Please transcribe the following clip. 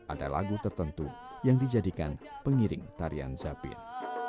ada lagu tertentu yang dijadikan pengiring tarian zapin